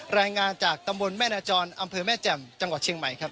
รายงานจากตำบลแม่นาจรอำเภอแม่แจ่มจังหวัดเชียงใหม่ครับ